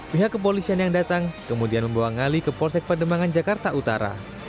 pihak kepolisian yang datang kemudian membawa ngali ke polsek pademangan jakarta utara